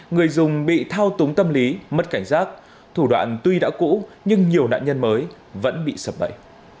người dùng bị thao túng tâm lý mất cảnh giác thủ đoạn tuy đã cũ nhưng nhiều nạn nhân mới vẫn bị sập bậy